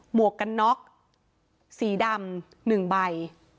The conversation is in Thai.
หวกกันน็อกสีดำ๑ใบ